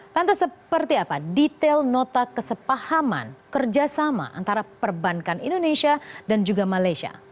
lantas seperti apa detail nota kesepahaman kerjasama antara perbankan indonesia dan juga malaysia